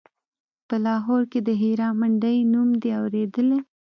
په لاهور کښې د هيرا منډيي نوم دې اورېدلى.